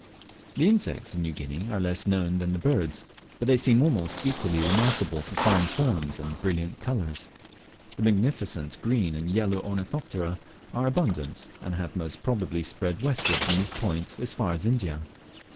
The insects of New Guinea are less known than the birds, but they seem almost equally remarkable for fine forms and brilliant colours. The magnificent green and yellow Ornithopterae are abundant, and have most probably spread westward from this point as far as India.